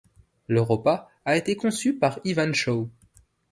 L'Europa a été conçu par Ivan Shaw.